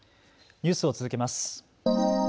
ニュースを続けます。